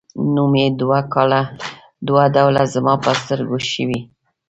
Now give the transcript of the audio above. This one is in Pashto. نوم یې دوه ډوله زما په سترګو شوی.